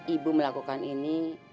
ibu melakukan ini